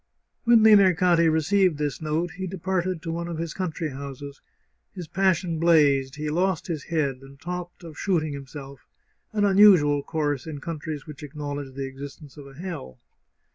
When Limercati received this note he departed to one of his country houses ; his passion blazed, he lost his head, and talked of shooting himself — an unusual course in coun tries which acknowledge the existence of a hell.